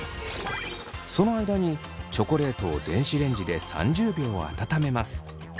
その間にチョコレートを電子レンジで３０秒温めます。